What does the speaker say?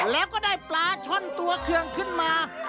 แล้วก็ได้ปลาช่อนตัวเครื่องขึ้นมา